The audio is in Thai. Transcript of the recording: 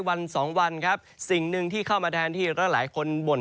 วันสองวันครับสิ่งหนึ่งที่เข้ามาแทนที่หลายคนบ่น